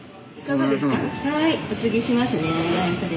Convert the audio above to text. はいおつぎしますね。